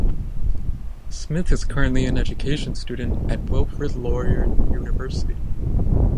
Smith is currently an education student at Wilfrid Laurier University.